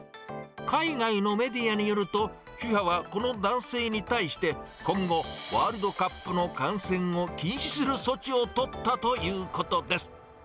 海外のメディアによると、ＦＩＦＡはこの男性に対して、今後、ワールドカップの観戦を禁止する措置を取ったということです。